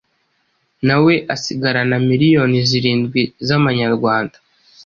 nawe asigarana miliyoni zirindwi z'amanyarwanda